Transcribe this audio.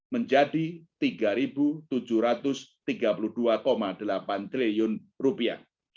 menjadi tiga tujuh ratus tiga puluh dua delapan triliun rupiah